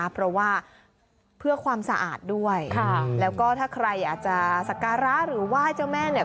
เพราะว่าเพื่อความสะอาดด้วยแล้วก็ถ้าใครอยากจะสักการะหรือไหว้เจ้าแม่เนี่ย